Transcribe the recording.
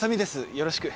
よろしく。